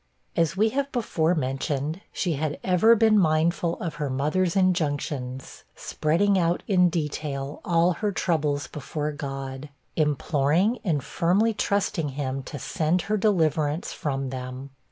As we have before mentioned, she had ever been mindful of her mother's injunctions, spreading out in detail all her troubles before God, imploring and firmly trusting him to send her deliverance from them.